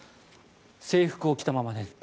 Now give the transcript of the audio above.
制服を着たまま寝ると。